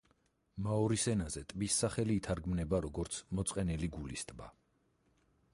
მაორის ენაზე ტბის სახელი ითარგმნება როგორც „მოწყენილი გულის ტბა“.